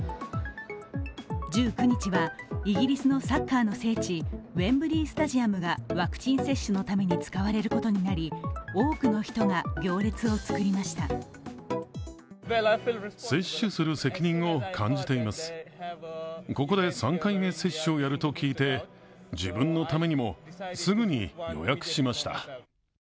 １９日はイギリスのサッカーの聖地、ウェンブリースタジアムがワクチン接種のために使われることになり、多くの人が行列を作りました。